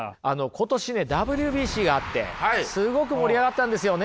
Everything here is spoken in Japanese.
今年ねＷＢＣがあってすごく盛り上がったんですよね